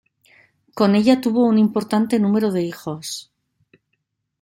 Con ella tuvo un importante número de hijos.